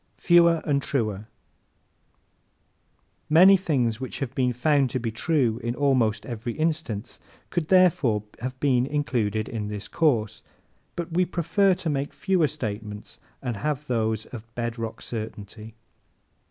Fewer and Truer ¶ Many things which have been found to be true in almost every instance could have been included in this course. But we prefer to make fewer statements and have those of bedrock certainty.